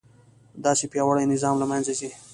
داسې پیاوړی نظام له منځه ځي.